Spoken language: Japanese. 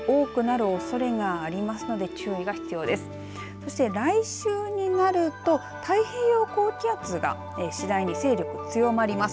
そして来週になると太平洋高気圧が次第に勢力強まります。